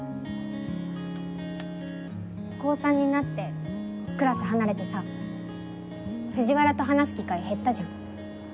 高３になってクラス離れてさ藤原と話す機会減ったじゃん。